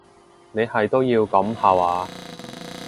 你係都要噉下話？